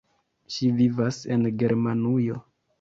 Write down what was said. Ŝi vivas en Germanujo.